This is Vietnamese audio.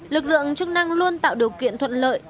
lực lượng chức năng luôn tạo điều kiện thuận lợi